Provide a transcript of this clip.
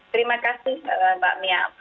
terima kasih mbak mia